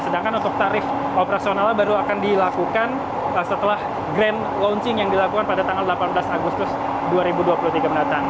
sedangkan untuk tarif operasionalnya baru akan dilakukan setelah grand launching yang dilakukan pada tanggal delapan belas agustus dua ribu dua puluh tiga mendatang